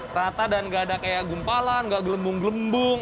rata dan nggak ada kayak gumpalan nggak gelembung gelembung